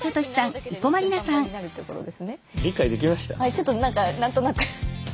ちょっと何か何となく。